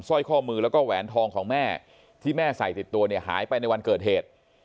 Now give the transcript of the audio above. ร้อยข้อมือแล้วก็แหวนทองของแม่ที่แม่ใส่ติดตัวเนี่ยหายไปในวันเกิดเหตุ